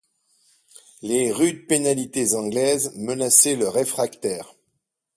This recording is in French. Les rudes pénalités anglaises menaçaient le réfractaire.